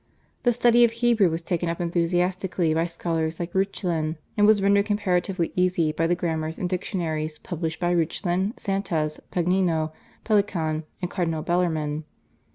The study of Hebrew was taken up enthusiastically by scholars like Reuchlin, and was rendered comparatively easy by the grammars and dictionaries published by Reuchlin, Santez, Pagnino, Pelikan, and Cardinal Bellarmine.